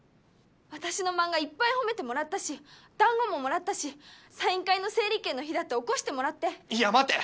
私の漫画いっぱい褒めてもらったしだんごももらったしサイン会の整理券の日だって起こしてもらっていや待て